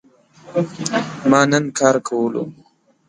ما نن کار کولو